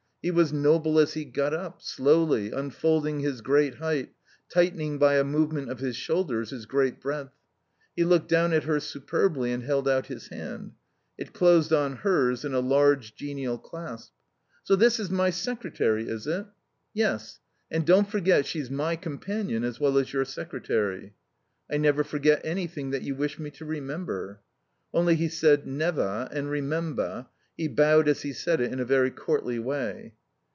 He was noble as he got up, slowly, unfolding his great height, tightening by a movement of his shoulders his great breadth. He looked down at her superbly and held out his hand; it closed on hers in a large genial clasp. "So this is my secretary, is it?" "Yes. And don't forget she's my companion as well as your secretary." "I never forget anything that you wish me to remember." (Only he said "nevah" and "remembah"; he bowed as he said it in a very courtly way.)